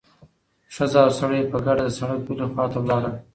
ښځه او سړی په ګډه د سړک بلې خوا ته لاړل.